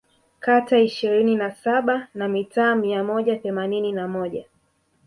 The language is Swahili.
kata ishirini na saba na mitaa mia moja themanini na moja